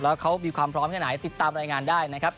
แล้วเขามีความพร้อมแค่ไหนติดตามรายงานได้นะครับ